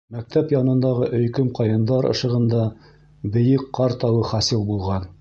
Мәктәп янындағы өйкөм ҡайындар ышығында бейек ҡар тауы хасил булған.